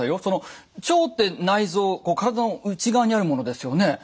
その腸って内臓体の内側にあるものですよね。